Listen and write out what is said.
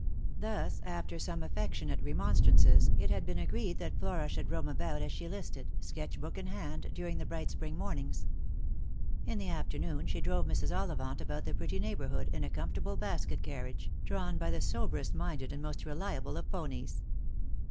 Thus, after some affectionate remonstrances, it had been agreed that Flora should roam about as she listed, sketch book in hand, during the bright spring mornings. In the afternoon she drove Mrs. Ollivant about the pretty neighbourhood in a comfortable basket carriage, drawn by the soberest minded and most reliable of ponies.